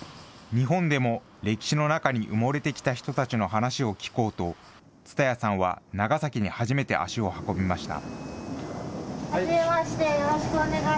日本でも歴史の中に埋もれてきた人たちの話を聞こうと、蔦谷さんは長崎に初めて足を運びました。